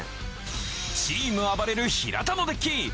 チームあばれる平田のデッキ。